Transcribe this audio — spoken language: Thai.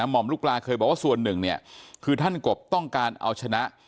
่อมลูกปลาเคยบอกว่าส่วนหนึ่งเนี่ยคือท่านกบต้องการเอาชนะ